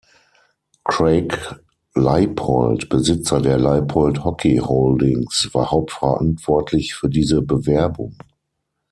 Craig Leipold, Besitzer der Leipold Hockey Holdings, war hauptverantwortlich für diese Bewerbung.